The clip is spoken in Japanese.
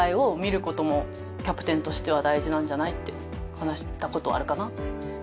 話したことはあるかな。